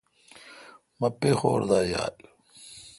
مہ پیخور دا یال۔